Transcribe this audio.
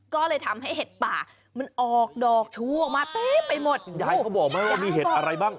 ก็เลยทำให้เห็ดป่ามันออกดอกชูออกมาเต็มไปหมดยายเขาบอกไหมว่ามีเห็ดอะไรบ้าง